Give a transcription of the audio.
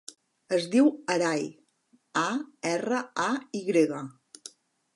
Es diu Aray: a, erra, a, i grega.